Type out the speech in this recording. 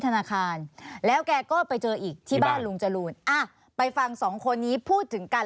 ธนาคารแล้วแกก็ไปเจออีกที่บ้านลุงจรูนอ่ะไปฟังสองคนนี้พูดถึงกัน